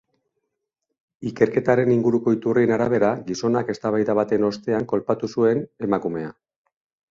Ikerketaren inguruko iturrien arabera, gizonak eztabaida baten ostean kolpatu zuen emakumea.